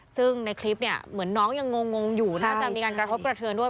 ซึ่งในคลิปเนี่ยเหมือนน้องยังงงอยู่น่าจะมีการกระทบกระเทือนด้วย